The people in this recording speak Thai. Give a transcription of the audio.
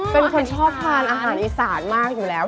เป็นคนชอบทานอาหารอีสานมากอยู่แล้ว